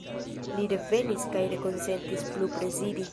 Li revenis kaj rekonsentis plu prezidi.